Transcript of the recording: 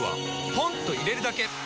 ポンと入れるだけ！